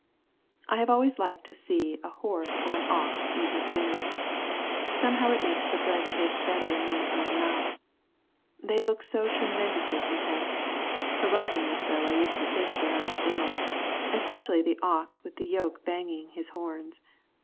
I have always liked to see a horse or an ox eat his dinner. Somehow it makes the bread taste better in one's own mouth. They look so tremendously content, provokingly so I used to think when I was little, especially the ox with the yoke banging his horns.